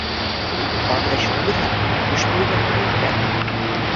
বাংলাদেশ সংবিধান দুষ্পরিবর্তনীয় কেন?